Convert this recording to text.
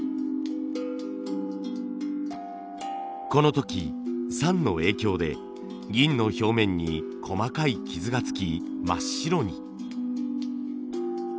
この時酸の影響で銀の表面に細かい傷がつき真っ白に。